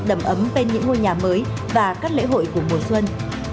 đầm ấm bên những ngôi nhà mới và các lễ hội của mùa xuân